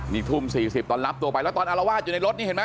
นี่ทุ่ม๔๐ตอนรับตัวไปแล้วตอนอารวาสอยู่ในรถนี่เห็นไหม